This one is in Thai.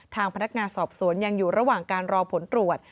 ทางพนักงานสอบสวนยังอยู่ระหว่างการรอผลตรวจ